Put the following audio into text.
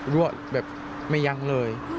รั่วแบบไม่ยั้งเลย